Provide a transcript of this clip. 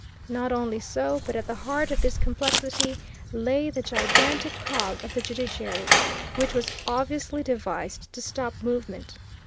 Not only so, but at the heart of this complexity lay the gigantic cog of the judiciary, which was obviously devised to stop movement.